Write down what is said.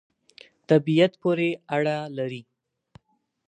طبعیت پوری اړه لری